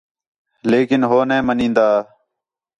لیکن ہو نے منین٘دا